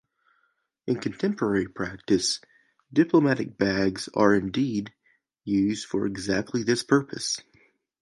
In contemporary practice, diplomatic bags are indeed used for exactly this purpose.